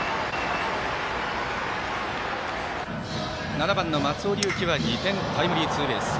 ７番の松尾龍樹は２点タイムリーツーベース。